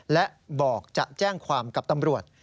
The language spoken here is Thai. และบอกจะแจ้งความกับตำรวจ